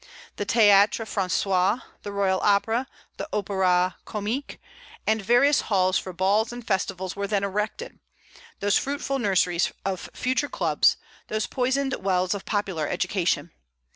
The Theatre Français, the Royal Opera, the Opéra Comique, and various halls for balls and festivals were then erected, those fruitful nurseries of future clubs, those poisoned wells of popular education.